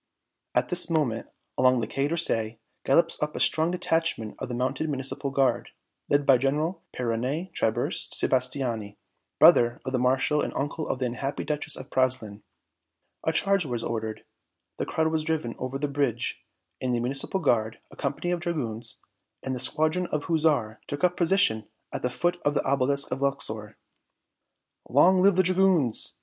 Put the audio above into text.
At this moment, along the Quai d'Orsay, gallops up a strong detachment of the mounted Municipal Guard, led by General Peyronet Tiburce Sebastiani, brother of the Marshal and uncle of the unhappy Duchess of Praslin. A charge was ordered, the crowd was driven over the bridge, and the Municipal Guard, a company of dragoons and a squadron of hussars took up a position at the foot of the Obelisk of Luxor. "Long live the dragoons!"